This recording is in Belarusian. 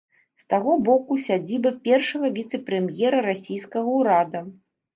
З таго боку сядзіба першага віцэ-прэм'ера расійскага ўрада.